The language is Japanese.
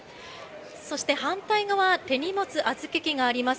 そして、反対側手荷物預け機があります。